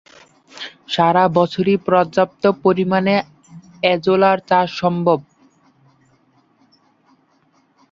সারা বছরই পর্যাপ্ত পরিমাণে অ্যাজোলার চাষ সম্ভব।